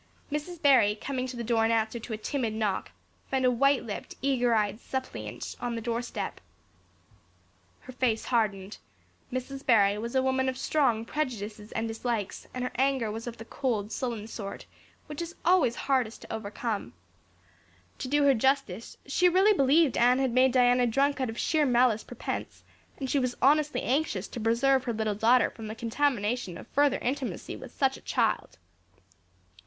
Mrs. Barry, coming to the door in answer to a timid knock, found a white lipped eager eyed suppliant on the doorstep. Her face hardened. Mrs. Barry was a woman of strong prejudices and dislikes, and her anger was of the cold, sullen sort which is always hardest to overcome. To do her justice, she really believed Anne had made Diana drunk out of sheer malice prepense, and she was honestly anxious to preserve her little daughter from the contamination of further intimacy with such a child.